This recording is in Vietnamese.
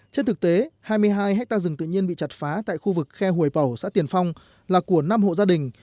trên thực tế hai mươi hai hectare rừng tự nhiên bị chặt phá tại khu vực khe hồi bầu xã tiền phong là của năm hộ gia đình